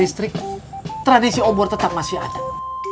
itu gak kenyataan ya bok tiga